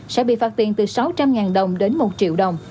sẽ bị phạt tiền từ sáu trăm linh đồng đến một triệu đồng